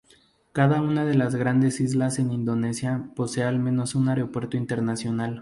Cada una de las grandes islas en Indonesia posee al menos un aeropuerto internacional.